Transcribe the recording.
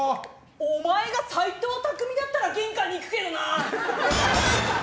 お前が斎藤工だったら玄関に行くけどな！